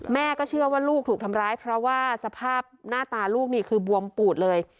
แม่ก็เชื่อว่าลูกถูกทำร้ายเพราะว่าสภาพหน้าตาลูกนี่คือบวมปูดเลย